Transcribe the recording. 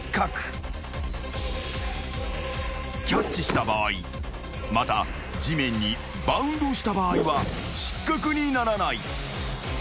［キャッチした場合また地面にバウンドした場合は失格にならない］